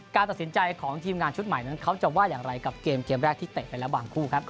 การตัดสินใจของทีมงานชุดใหม่นั้นเขาจะว่าอย่างไรกับเกมเกมแรกที่เตะไปแล้วบางคู่ครับ